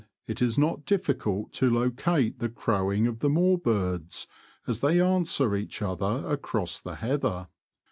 1 1 5 it is not difficult to locate the crowing of the moorbirds as they answer each other across the heather.